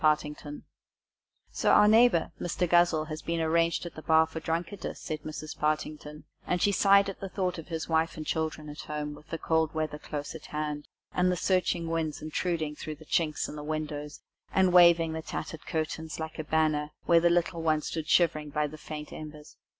BAILED OUT "So, our neighbour, Mr. Guzzle, has been arranged at the bar for drunkardice," said Mrs. Partington; and she sighed as she thought of his wife and children at home, with the cold weather close at hand, and the searching winds intruding through the chinks in the windows, and waving the tattered curtain like a banner, where the little ones stood shivering by the faint embers.